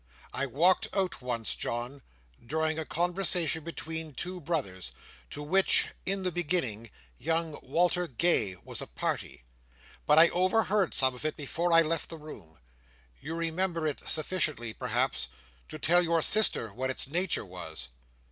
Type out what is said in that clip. I walked out once, John, during a conversation between two brothers, to which, in the beginning, young Walter Gay was a party. But I overheard some of it before I left the room. You remember it sufficiently, perhaps, to tell your sister what its nature was?"